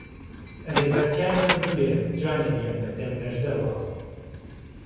ئهرێ بهدکارمان بمرێ، جوانێ گیان به دهملهرزهوه